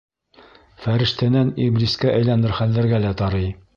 Фәрештәнән иблискә әйләнер хәлдәргә лә тарый.